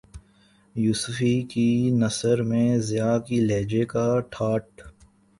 یوسفی کی نثر میں ضیاء کے لہجے کا ٹھاٹ